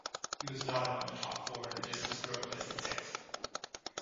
He was not among the top four in the discus throw, placing sixth.